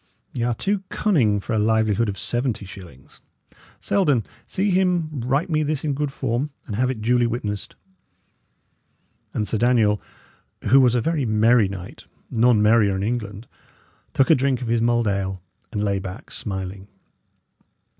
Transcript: y' are too cunning for a livelihood of seventy shillings. Selden, see him write me this in good form, and have it duly witnessed." And Sir Daniel, who was a very merry knight, none merrier in England, took a drink of his mulled ale, and lay back, smiling.